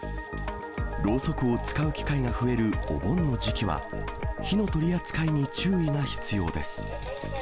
ろうそくを使う機会が増えるお盆の時期は、火の取り扱いに注意が必要です。